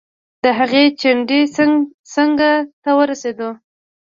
د هغې چنډې څنګ ته ورسیدو.